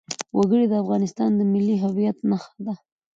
وګړي د افغانستان د ملي هویت نښه ده.